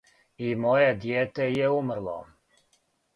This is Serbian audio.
И моје дијете је умрло.